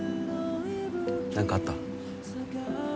何かあった？